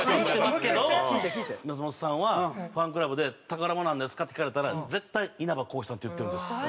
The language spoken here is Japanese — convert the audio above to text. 松本さんはファンクラブで「宝物なんですか？」って聞かれたら絶対「稲葉浩志さん」って言ってるんです。